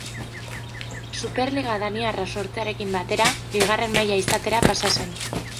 Superliga Daniarra sortzearekin batera Bigarren maila izatera pasa zen.